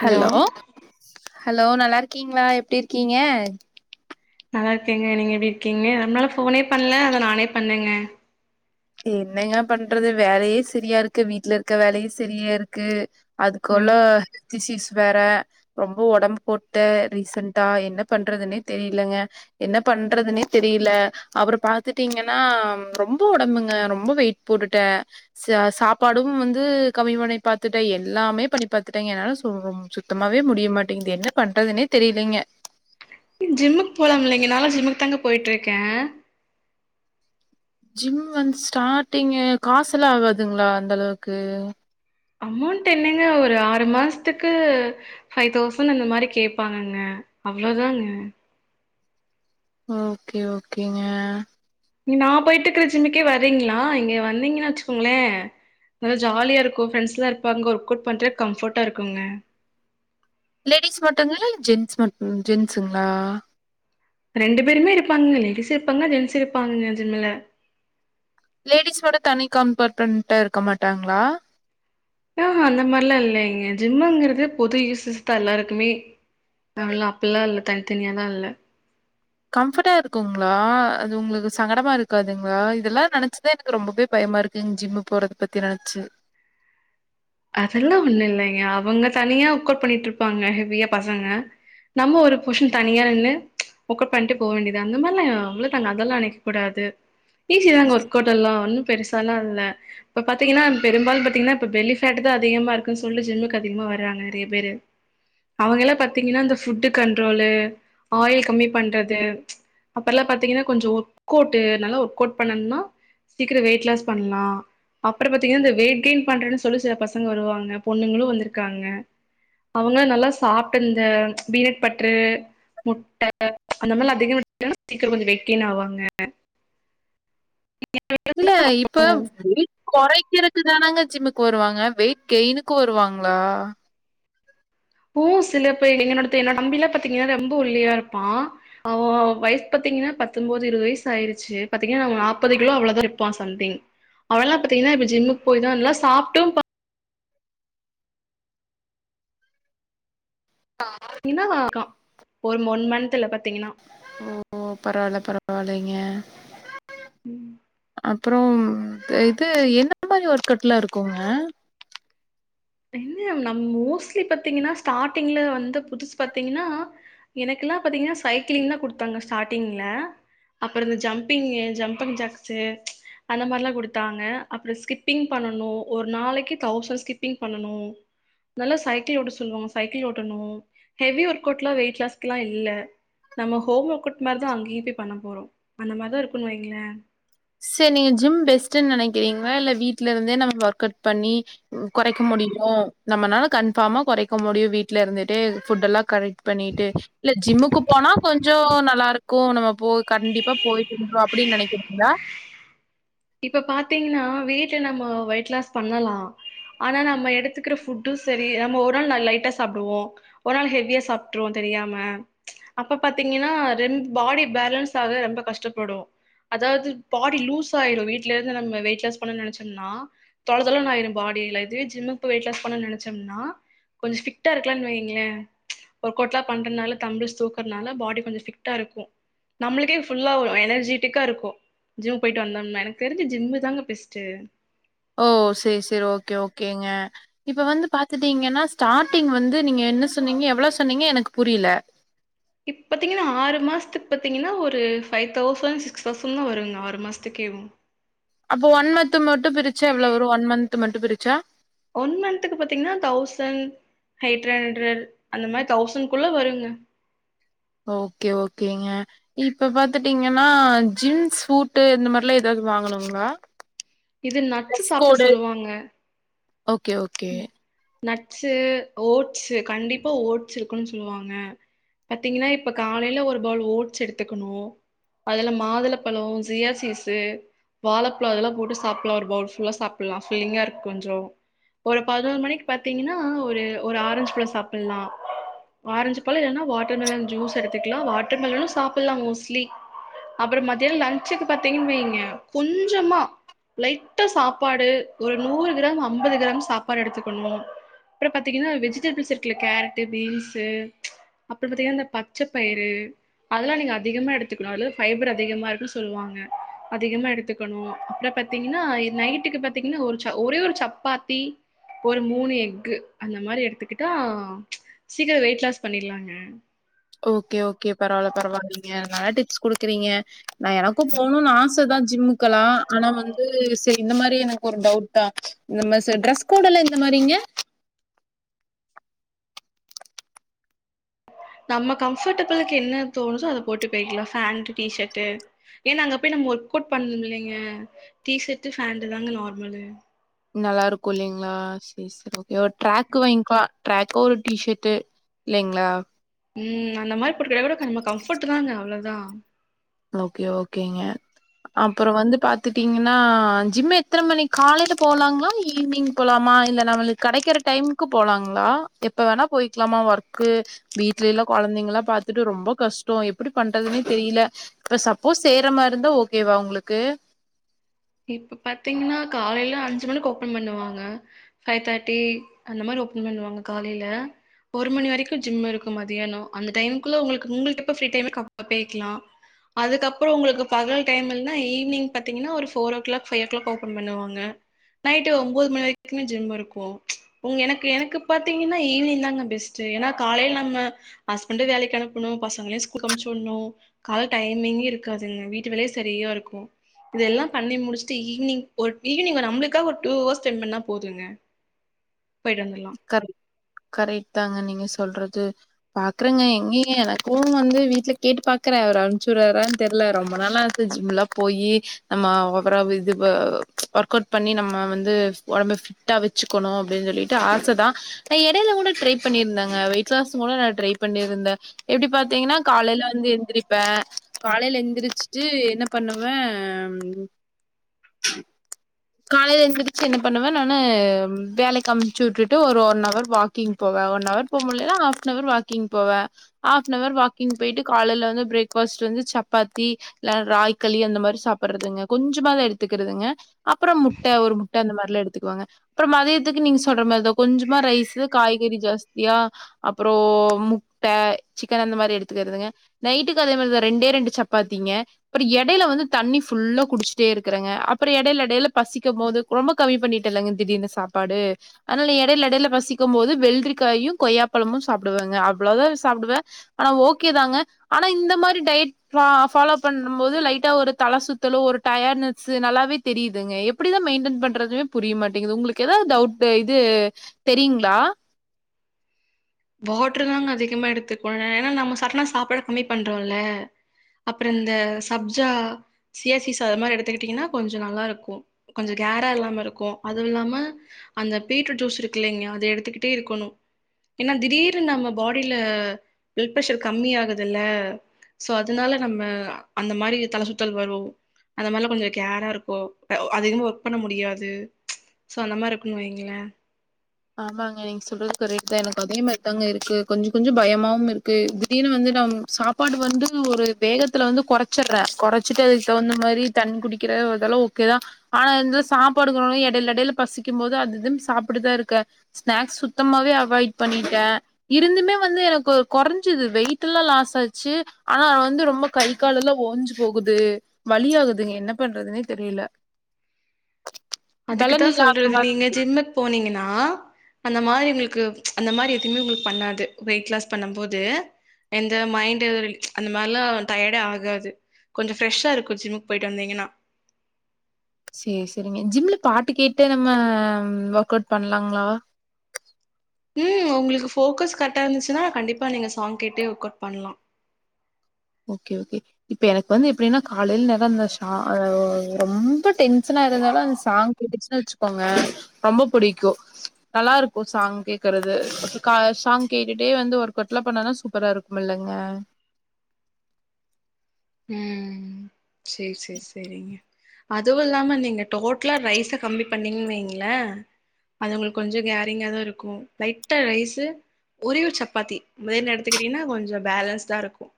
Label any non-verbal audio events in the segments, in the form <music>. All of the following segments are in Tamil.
ஹலோ ஹலோ நல்லாருக்கீங்களா எப்டி இருக்கீங்க நல்லா இருக்கேங்க நீங்க எப்படி இருக்கீங்க ரொம்ப நாலா போனே பண்ல அதா நானே பண்ணங்க க்கு என்னயா பண்றது வேலையே சரியா இருக்கு வீட்ல இருக்கற வேலையு சரியா இருக்கு அதுக்குள்ள ம் திசீஸ் வேற ரொம்ப உடம்பு போட்ட ரீசன்டா என்ன பண்றதுன்னே தெரியலங்க என்ன பண்றதுனே தெரியல அப்புற பாத்துட்டீங்கன்னா ரொம்ப உடம்புங்க ரொம்ப வெயிட் போட்டுட்டே ச சாப்பாடு வந்து கம்மி பண்ணி பாத்துட்டே எல்லாமே பண்ணி பாத்துட்டேங்க என்னால ரொம்ப சு சுத்தமாவே முடிய மாட்டேங்குது என்ன பண்றதுனே தெரிலங்க ஜிம்முக்கு போலா இல்லைங்க நாலா ஜிம்முக்கு தாங்க போயிட்டு இருக்கே ஜிம் வந்து ஸ்டார்டிங்கு காசுல்லா ஆகாதுங்களா அந்த அளவுக்கு அமௌண்ட் என்னங்க ஒரு ஆறு மாசத்துக்கு ஃபைவ் தௌசண்ட் அந்த மாரி கேப்பாங்கங்க அவ்ளோதாங்க ஓகே ஓகேங்க நா போயிட்டுக்குற ஜிம்க்கே வரீங்களா இங்க வந்தீங்கன்னு வச்சுக்கோங்ளே நல்ல ஜாலியாருக்கு ஃப்ரெண்ட்ஸ்லா இருப்பாங்க ஒர்க் அவுட் பண்ற கம்ஃபர்டா இருக்குங்க லேடிஸ் மட்டுங்களா இல்ல ஜென்ஸ் மட் ஜென்ஸுங்களா ரெண்டு பேருமே இருப்பாங்க லேடிஸு இருப்பாங்க ஜென்ஸ் இருப்பாங்க ஜிம்ல லேடிஸ்சோட தனி கபார்டமெண்டா இருக்க மாட்டாங்களா ஆஹா அந்த மாரிலா இல்லைங்க ஜிம்ங்கிறது பொது யூசஸ் தா எல்லாருக்குமே அவல்ல அப்பெல்லா இல்ல தனித்தனியாலா இல்ல கம்ஃபட்டா இருக்குங்களா அது உங்களுக்கு சங்கடமா இருக்காதுங்களா இதெல்லா நெனச்சுதா எனக்கு ரொம்பவே பயமா இருக்கு ஜிம் ஜிம்மு போறத பத்தி நெனச்சு அதெல்லா ஒண்ணு இல்லைங்க அவங்க தனியா ஒர்க்கொட் பண்ணிட்ருப்பாங்க ஹெவியா பசங்க நம்ம ஒரு புஷன் தனியா நின்னு ஒக்கட் பண்ட்டு போகவேண்டியது தா அந்த மாரல்லா அவ்ள தாங்க அதெல்லா நெனைக்க கூடாது ஈசி தாங்க ஒர்க் அவுட் எல்லா ஒண்ணு பெருசால்லா இல்ல இப்ப பாத்தீங்கன்னா பெரும்பாலு பாத்தீங்கன்னா இப்ப பெல் லி பேட் தா அதிகமா இருக்கன்னு சொல்லி ஜிம்முக்கு அதிகமா வர்றாங்க நெறைய பேரு அவங்க எல்லா பாத்தீங்கன்னா இந்த ஃபுட்டு கண்ட்ரோலு ஆயில் கம்மி பண்றது அப்பற எல்லா பாத்தீங்கன்னா கொஞ்சோ ஒர்க் அவுட் நல்லா ஒர்க் அவுட் பண்ணணும்னா சீக்கரோ வெயிட் லாஸ் பண்ணலா அப்ற பாத்தீங்கன்னா இந்த வெயிட் கெயின் பண்றதுனு சொல்லி சில பசங்க வருவாங்க பொண்ணுங்களு வந்திருக்காங்க அவங்களா நல்லா சாப்ட்டு இந்த பீனட் பட்ரு முட்ட அந்த மாரில அதிகமா முட்ட <unintelligible> சீக்கரோ கொஞ்சோ வெயிட் கெயின் ஆவாங்க இல்ல இப்ப வெயிட் கொறைக்கிறதுக்கு தானாங்க ஜிம்முக்கு வருவாங்க வெயிட் கெயினுக்கு வருவாங்களா ஒ சில பேர் என்னடத்த என்னோட தம்பிலா பாத்தீங்கன்னா ரொம்ப ஒல்லியா இருப்பா அவ வயசு பாத்தீங்கன்னா பத்தொன்பது இருவது வயசு ஆயிருச்சு பாத்தீங்கன்னா அவ நாப்பது கிலோ அவ்ளவுதா இருப்பா சம்திங் அவல்லா பாத்தீங்கன்னா இப்ப ஜிம்முக்கு போய்தா நல்லா சாப்டு பாத் ஆ <inaudible> <unintelligible> இருக்கா ஒரு ஒன் மன்த்ல பாத்தீங்கன்னா ஓ பரவால்ல பரவால்லைங்க ம் அப்றோ இது என்ன மாரி ஒர்க் அவுட்லா இருக்குங்க என்ன நம் மோஸ்ட்லி பாத்தீங்கன்னா ஸ்டார்டிங்ல வந்து புதுசு பாத்தீங்கன்னா எனக்குல்லா பாத்தீங்கன்னா சைக்கிளிங் தா குடுத்தாங்க ஸ்டார்டிங்ல அப்றோ இந்த ஜம்பிங்கு ஜம்பங் ஜாக்ஸு அந்த மாரல்லா குடுத்தாங்க அப்றோ ஸ்கிப்பிங் பண்ணனு ஒரு நாளைக்கு தௌசண் ஸ்கிப் பிங் பண்ணனு நல்லா சைக்கிள் ஓட்ட சொல்லுவாங்க சைக்கிள் ஓட்டணு ஹெவி ஒர்க் அவுட்லா வெயிட் லாஸ்குலா இல்ல நம்ம ஹோம் ஒர்க்அவுட் மரிதா அங்கயு போய் பண்ண போறோ அந்த மாரிதா இருக்குனு வைங்கள செர் நீங்க ஜிம் பெஸ்டுன் நெனைக்கிறீங்ளா இல்ல வீட்ல இருந்தே நம்ம ஒர்க் அவுட் பண்ணி கொறைக்க முடியுமோ நம்மனால கன்ஃபாமா கொறைக்க முடியு வீட்ல இருந்துட்டு ஃபுட் எல்லா கரிக் பண்ணிட்டு இல்ல ஜிம்முக்கு போனா கொஞ்சோ நல்லாருக் கு நம்ம போ கண்டிப்பா போயிட்டு இருந்தோ அப்டினு நினைக்கிறீங்ளா இப்ப பாத்தீங்னா வீட்டு நம்ம வெயிட் லாஸ் பண்ணலா ஆனா நம்ம எடுத்துக்கிற ஃபுட்டு சரி நம்ம ஒரு நாள் லைட்டா சாப்டுவோ ஒரு நாள் ஹெவியா சாப்ட்ருவோ தெரியாம அப்ப பாத்தீங்கனா பாடி பேலன்ஸ் ஆக ரொம்ப கஷ்டப்படு அதாவது பாடி லூஸ் ஆயிடு வீட்ல இருந்து நம்ம வெயிட் லாஸ் பண்ணனு நெனச்சோம்னா தொளதொளனு ஆயிரு பாடி இதுவே ஜிம்முக்கு போயி வெயிட் லாஸ் பண்ண நெனச்சோம்னா கொஞ்ச ஃபிட்டா இருக்கலான் வைங்ளே ஒர்கோட்லா பண்றனால தம்பில்ஸ் தூக்குறனால பாடி கொஞ்ச ஃபிட்டா இருக்கு நம்மளுக்கே ஃபுல்லா வரு எனர்ஜிடிக்கா இருக்கு ஜிம் போய் டு வந்தம்னா எனக்கு தெரிஞ்சி ஜிம்மு தாங்க பெஸ்ட் ஓ செரி செரி ஓகே ஓகேங்க இப்ப வந்து பாத் துட்டீங்கன்னா ஸ்டாட்டிங் வந்து நீங்க என்ன சொன்னீங்க எவ்ளோ சொன்னீங்க எனக்கு புரியல இப்பாத்திங்கனா ஆறு மாதத்துக்கு பாத்திங்கனா ஒரு ஃபைவ் தௌசண்ட் சிக்ஸ் தௌசண்ட் தா வருங்க ஆறு மாசத்துக்கேவு அப்போ ஒன் மத் மட்டு பிரிச்சா எவ்வள வரு ஒன் மன்த் மட்டு பிரிச்சா ஒன் மன்த்துக்கு பாத்தீங்கனா தௌசண்ட் ஹெய்ட் ஹண்ட்ரட் அந்த மாரி தௌசண் குள்ள வருங்க ஓகே ஓகேங்க இப்ப பாத்துட்டீங்கனா ஜிம் ஷூட்டு இந்த மாரிலா ஏதாது வாங்கணுங்ளா இது நட்சு சாப்ட சொல்லுவாங்க ஓகே ஓகே நட்ஸு ஓட்ஸு கண்டிப்பா ஓட்ஸ் இருக்குன் சொல்லுவாங்க பாத்தீங்கனா இப்ப காலையில ஒரு பவுல் ஓட்ஸ் எடுத்துக்கணு அதுல மாதுளப்பழ ஜியாசீசு வாழப்பழ அதெல்லா போட்டு சாப் சாப்புலா ஒரு பவுல் ஃபுல்லா சாப்லா ஃபில்லிங்கா இருக்கு கொஞ்ச ஒரு பதினொரு மணிக்கு பாத்தீங்கனா ஒரு ஒரு ஆரஞ்சுபழ சாப்பில்லா ஆரஞ்சு பழ இல்லனா வாட்டர் மெலன் ஜூஸ் எடுத்துக்கலா வாட்டர் மெலனு சாப்பில்லா மோஸ்லி அப்புற மத்தியான லஞ்சுக்கு பாத்தீங்கன் வைங்க கொஞ்சமா லைட்டா சாப்பாடு ஒரு நூறு கிராம் ஐம்பது கிராம் சாப்பாடு எடுத்துக்கணு அப்புற பாத்தீங்கன்னா வெஜிடபிள்ஸ் இருக்குல்ல கேரட்டு பீன்ஸு அப்புற பாத்தீங்கனா இந்த பச்ச பயிறு அதெல்லா நீங்க அதிகமா எடுத்துக்கணு அதுலதா ஃபைபர் அதிகமா இருக்குன் சொல்லுவாங்க அதிகமா எடுத்துக்கணு அப்புற பாத் தீங்னா நைட்டுக்கு பாத்தீங்னா ஒரு ச ஒரே ஒரு சப்பாத்தி ஒரு மூணு எஃகு அந்த மாரி எடுத்துக்கிட்டா சீக்கிர வெயிட் லாஸ் பண்ணிலாங்க ஓகே ஓகே பரவால பரவால்லங்க நல்ல டிப்ஸ் குடுக்குறீங்க நா எனக்கு போணுனு ஆசதா ஜிம்முக்கெல்லா ஆனா வந்து சரி இந்த மாரி எனக்கு ஒரு டவுட்டா இந்த மாரி சரி ட்ரெஸ் கோடல்லா எந்த மாரிங்க நம்ம கம்ஃபர்டபிலுக்கு என்ன தோணுதோ அத போட்டு போயிக்கலா ஃபேண்ட் டீஷட்டு ஏன்னா அங்க போய் நம்ம ஒர்க் அவுட் பண்ணும்லலைங்க டீஷர்ட் பேண்டட் தாங்க நார்மலு நல்லா இருக்கு இல்லீங்களா செரி செரி ஓகே டிரக்கு வாங்கிக்கலா ட்ராக்கோ ஒரு டிஷர்ட்டு இல்லிங்களா ம் அந்த மாதிரி போட்டுக்கிடா கூட நம்ம கம்ஃபர்ட் தாங்க அவ்வளோதா ஓகே ஓகேங்க அப்புற வந்து பாத்துட்டீங்கன்னா ஜிம் எத்தனை மணி காலையில போலாங்களா ஈவினிங் போலாமா இல்ல நம்மளுக்கு கடைக்கிற டைமுக்கு போலாங்களா எப்ப வேணா போயிக்கலாமா ஒர்க்கு வீட்ல எல்லா கெழந்தைங்கல்லா பாத்துட்டு ரொம்ப கஷ்டோ எப்டி பண்றதுனே தெரியல இப்ப சப்போஸ் செய்ற மாரி இருந்தா ஓகேவா உங்களுக்கு இப்ப பாத்தீங்கன்னா காலையில அஞ்சு மணிக்கு ஓப்பன் பண்ணுவாங்க ஃபைவ் தேர்ட்டி அந்த மாரி ஓப்பன் பண்ணுவாங்க காலையில ஒரு மணி வரைக்கு ஜிம் இருக்கு மதியானோ அந்த டைமுக்குள்ள உங்களுக்கு உங்களுகெப்ப ஃப்ரீ டைமு இருக்கோ அப்ப கேக்கலா அதுக்கப்புற உங்களுக்கு பகல் டைம் இல்னா ஈவினிங் பாத்தீங்கன்னா ஒரு four o'clock five o'clock open பண்ணுவாங்க நைட்டு ஒன்பது மணி வரைக்குமே ஜிம் இருக்கு உங்க எனக்கு எனக்கு பாத்தீங்கன்னா ஈவினிங் தாங்க பெஸ்ட் ஏன்னா காலையில நம்ம ஹஸ்பண்ட வேலைக்கு அனுப்பணு பசங்களையு ஸ்கூல் அமிச்சு விடணு கால டைமிங்கே இருக்காதுங்க வீட்டு வேலயே சரியா இருக்கு இதெல்லா பண்ணி முடிச்சட்டு ஈவினங் ஒரு ஈவினிங் ஒரு நம்ளுக்கா ஒரு டூ ஹவர்ஸ் ஸ்பெண்ட் பண்ணா போதுங்க போயிட்டு வந்துடலா கரெ கரெக்ட் தாங்க நீங்க சொல்றது பாக்குறங்க எங்கயங்க எனக்கு வந்து வீட்டுல கேட்டு பாக்குறே அவரு அனுப்ச்சுறாரான்னு தெரியல ரொம்ப நாளா ஜிம் எலாம் போயி நம்ம ஓவரா இது அ ஒர்க் அவுட் பண்ணி நம்ம வந்து ஒடம்ப ஃபிட்டா வச்சுக்கணு அப்டின்னு சொல்லிட்டு ஆ சைதா நா எடையில கூட ட்ரை பண்ணியிருந்தேங்க வெயிட்லாஸ்ங் கூட நா ட்ரை பண்ணியிருந்தே எப்டி பாத்தீங்கன்னா காலையில வந்து எந்திரிப்பே காலையில எந்திரிச்சுட்டு என்ன பண்ணுவே காலையில எந்திருச்சு என்ன பண்ணுவே நானு வேலைக்கு அமிச்சு விட்டுட்டு ஒரு ஒன் வர் வாக் கிங் போவே ஒன் அஹவர் போக முடிலானா ஹாப்னவர் வாக்கிங் போவே ஹாப்ன்வர் வாக்கிங் போயிட்டு காலையில வந்து பிரேக்ஃபாஸ்ட் வந்து சப்பாத்தி இல்ல ராய்க்களி அந்த மாரி சாப்பிடுறதுங்க கொஞ்சதா எடுத்துக்கறதுங்க அப்புறம் முட்ட ஒரு முட்ட அந்த மாரி எல்லா எடுத்துக்குவாங்க அப்புற மதியத்துக்கு நீங்க சொல்ற மாரிதா கொஞ்சமா ரைஸு காய்கறி ஜாஸ்தியா அப்புறோ முட்ட சிக்கன் அந்த மாதிரி எடுத்துக்கிறதுங்க நைட்டுக்கு அதே மாதிரிதா ரெண்டே ரெண்டு சப்பாத்திங்க அப்புற எடையில வந்து தண்ணி ஃபுல்லா குடிச்சுட்டே இருக்கறங்க அப்புறோ எடையில எடையில பசிக்கும் போது ரொம்ப கம்மி பண்ணிட்ட இல்லங்க திடீர்னு சாப்பாடு அதனால எடையில எடையில பசிக்கும் போது வெள்ளரிக்காயு கொய்யாப்பழமு சாப்பிடுவேங்க அவ்வளவுதா சாப்பிடுவே ஆனா ஓகே தாங்க ஆனா இந்த மாரி டயட் ஃபா ஃபாலோ பண்ணும் போது லைட்டா ஒரு தலை சுத்தலு ஒரு டயர்னஸ் நல்லாவே தெரியுதுங்க எப்டித மெயின்டென் பண்றதுமே புரிய மாட்டேங்குது உங்களுக்கு ஏதாவது டவுட் இது தெரியுங்களா வாட்டரு தாங்க அதிகமா எடுத்துக்கோ ஏன்னா நம்ம சடனா சாப்பாட கம்மி பண்றோல அப்புறம் இந்த சப்ஜா சியாசிசா அது மாரி எடுத்துக்கிட்டீங்கன்னா கொஞ்ச நல்லா இருக்கு கொஞ்சோ கேரா இல்லாம இருக்கு அதுவு இல்லாம அந்த பீட்ரூட் ஜூஸ் இருக்கு இல்லீங்களா அத எடுத்துக்கிட்டே இருக்கணு ஏன்னா திடீர்னு நம்ம பாடியில பிளட் ப்ரஷர் கம்மி ஆகுதுல்ல சோ அதனால நம்ம அந்த மாதிரி தலை சுத்தல் வரும் அந்த மாரிலாம் கொஞ்சம் கேரா இருக்கும் அதிகமா ஒர்க் பண்ண முடியாது ஸோ அந்த மாரி இருக்குணு வைங்களே ஆமாங்க நீங்க சொல்றது கரேட் தான் எனக்கு அதே மாரிதாங்க இருக்கு கொஞ்சம் கொஞ்சம் பயமாவும் இருக்கு திடீனு வந்து நான் சா பாடு வந்து ஒரு வேகத்துல வந்து குறைச்சிடறேன் குறைச்சிட்டு அதுக்கு தகுந்த மாரி தண்ணி குடிக்கிறது இதெல்லாம் ஓகே தான் ஆனா இதுல சாப்பாடுங்கிறோம் இடையில எடையில பசிக்கும் போது அது இது ன்னு சாப்பிட்டுதான் இருக்கே ஸ்நாக்ஸ் சுத்தமாவே அவாய்ட் பண்ணிட்டேன் இருந்துமே வந்து எனக்கு குறைஞ்சுது வெயிட் எல்லாம் லாஸ் ஆச்சு ஆனா அவ வந்து ரொம்ப கை கால்லெல்லாம் ஓஞ்சு போகுது வழியா குதுங்க என்ன பண்றதுனே தெரியல பலன் அதுக்குத்தான் இல்லாத சொல்றது மாரி நீங்க ஜிம்முக்கு போனீங்கன்னா அந்த மாதிரி உங்களுக்கு அந்த மாரி எதுவுமே உங்களுக்கு பண்ணாது வெயிட் லாஸ் பண்ணும் போது எந்த மைண்ட்ல அந்த மாரிலாம் டயர்டே ஆகாது கொஞ்ச ஃப்ரெஷா இருக்கும் ஜிம்முக்கு போயிட்டு வந்தீங்கன்னா சேரி சேரிங்க ஜிம்ல பாட்டு கேட்டே நம்ம ஒர்க அவுட் பண்லாங்களா ம் உங்களுக்கு ஃபோக்கஸ் கரெக்டா இருந்துச்சுன்னா கண்டிப்பா நீங்க சாங் கேட்டே ஒர்க்வுட் பண்ணலாம் ஓகே ஓகே இப்ப எனக்கு வந்து எப்டின்னா காலையில நேரம் அந்த சா ரொம்ப டென்சனா இருந்தாலும் அந்த சாங் புடிச்சனு வச்சுக்கோங்க ரொம்ப பிடிக்கும் நல்லா இருக்கும் சாங் கேக்கறது சாங் கேட்டுட்டே வந்து ஒரு ஒர்க் அவுட் லா பண்ணுனா சூப்பரா இருக்கும் முல்லுங்க உம் சேரி சேரி சேரிங்க அதுவும் இல்லாம நீங்க டோட்டலா ரைஸ கம்மி பண்ணீங்கின்னு வைங்களே அது உங்களுக்கு கொஞ்சம் கேரிங்கா தான் இருக்கும் லைட்டா ரைஸு ஒரே ஒரு சப்பாத்தி வேன்னா எடுத்துக்கிட்டிங்கன்னா கொஞ்சம் பேலன்ஸாடா இருக்கும்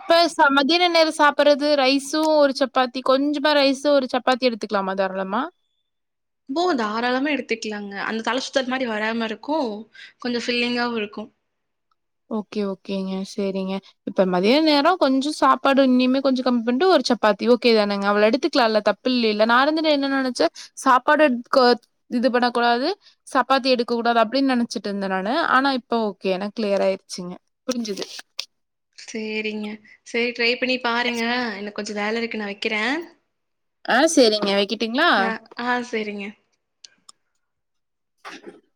இப்ப ச மதியன நேரம் சாப்பறது ரைஸும் ஒரு சப்பாத்தி கொஞ்சமா ரைஸு ஒரு சப்பா சாப்பாத்தி எடுத்துக்கலாமா தா ராளமா ஓ தாராளமா எடுத்துக்கலாங்க அந்த தலை சுத்தல் மாதிரி வராம இருக்கும் கொஞ்சம் ஃபில்லிங்காகவும் இருக்கும் ஓகே ஓகேங்க சேரிங்க இப்ப மதிய நேரம் கொஞ்சம் சாப்பாடு இன்னிமே கொஞ்ச கம்மி பன்னிட்டு ஒரு சப்பாத்தி ஓகே தான நாங்க அவ்வள எடுத்துக்கலாம்ல்ல தப்பு இல்லைல நா வந்து என்ன நினைச்ச சாப்பாடு எடுத்துக்க இது பண்ண கூடது சப்பாத்தி எடுக்க கூடாது அப்படின் நினைச்சிட்டு இருந்தன் நான் ஆ இப்ப ஓகே எனக்கு கிளியர் ஆயிரு வச்சுங்க புரிஞ்சுது சேரிங்க சேரி ட்ரை பண்ணி பாருங்க எனக்கு கொஞ்சம் வேலை இருக்கு நான் வைக்கிறேன் ஆ சேரிங்க வைக்கிட்டுங்களா ஆ சேரிங்க <unintelligible>